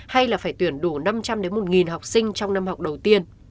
hay là phải tuyển đủ năm trăm linh một học sinh trong năm học đầu tiên